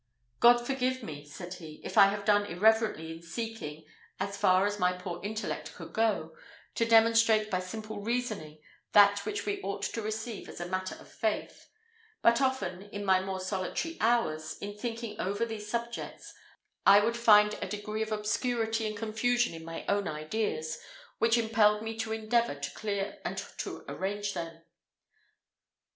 "God forgive me," said he, "if I have done irreverently in seeking, as far as my poor intellect could go, to demonstrate by simple reasoning, that which we ought to receive as a matter of faith; but often, in my more solitary hours, in thinking over these subjects I would find a degree of obscurity and confusion in my own ideas, which impelled me to endeavour to clear and to arrange them."